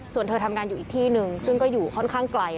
ส่วนเธอทำงานอยู่อีกที่หนึ่งซึ่งก็อยู่ค่อนข้างไกล